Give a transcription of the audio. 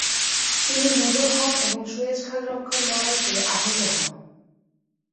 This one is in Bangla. তিনি মেজর হন এবং সুয়েজ খাল রক্ষার লড়াইতে আহত হন।